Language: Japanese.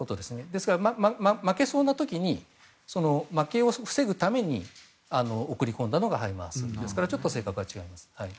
ですから、負けそうな時に負けを防ぐために送り込んだのがハイマースですからちょっと性格は違います。